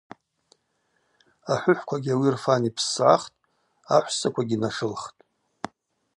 Ахӏвыхӏвквагьи ауи рфан йпссгӏахтӏ, ахӏвссаквагьи нашылхтӏ.